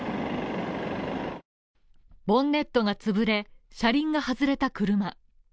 ボンネットが潰れ、車輪が外れた車。